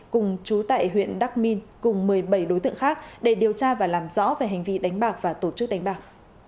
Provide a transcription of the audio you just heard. cùng chú tại huyện đắc minh cùng một mươi bảy đối tượng khác để điều tra và làm rõ về hành vi đánh bạc và tổ chức đánh bạc